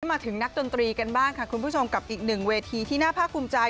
มาถึงนักดนตรีกันบ้างค่ะคุณผู้ชมกับอีกหนึ่งเวทีที่น่าภาคภูมิใจ